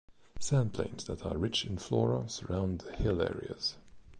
Sand-plains that are rich in flora surround the hill areas.